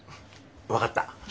分かった。